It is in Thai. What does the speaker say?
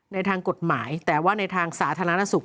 ในทางกฎหมายแต่ว่าในทางสาธารณสุข